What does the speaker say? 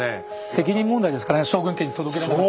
責任問題ですからね将軍家に届けれなかったら。